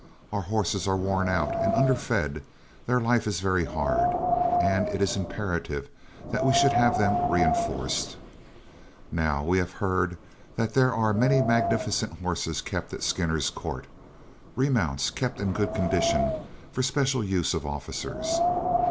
Our horses are worn out and underfed, their life is very hard, and it is imperative that we should have them reinforced. Now, we have heard that there are many magnificent horses kept at Skinner's Court, remounts kept in good condition for the special use of officers.